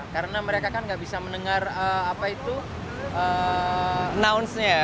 karena mereka kan gak bisa mendengar penyandang tulia karena mereka kan gak bisa mendengar penyandang tulia